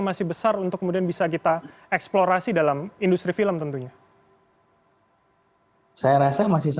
masih besar untuk kemudian bisa kita eksplorasi dalam industri film tentunya